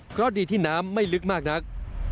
เพราะดีที่น้ำไม่ลึกมากนัก